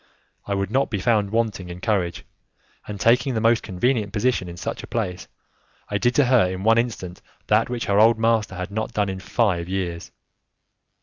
I would not be found wanting in courage, and taking the most convenient position in such a place, I did to her in one instant that which her old master had not done in five years.